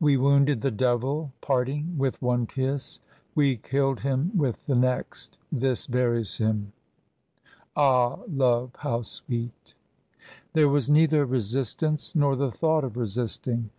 We wounded the devil, parting, with one kiss, we killed him with the next this buries him ah, love, how sweet " There was neither resistance nor the thought of resisting.